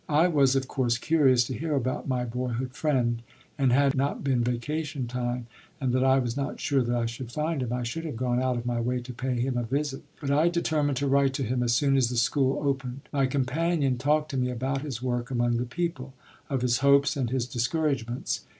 I was, of course, curious to hear about my boyhood friend; and had it not been vacation time, and that I was not sure that I should find him, I should have gone out of my way to pay him a visit; but I determined to write to him as soon as the school opened. My companion talked to me about his work among the people, of his hopes and his discouragements.